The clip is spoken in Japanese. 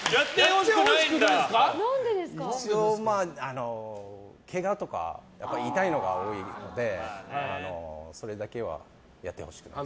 一応けがとか痛いのが多いのでそれだけはやってほしくない。